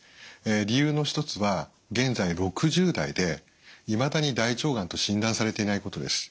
理由の一つは現在６０代でいまだに大腸がんと診断されていないことです。